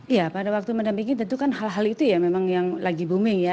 iya pada waktu mendampingi tentu kan hal hal itu ya memang yang lagi booming ya